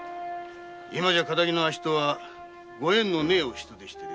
今じゃ堅気のあっしとはご縁のねぇお人でしてね。